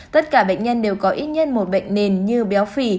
tất cả bệnh nhân đều có ít nhất một bệnh nền như béo phì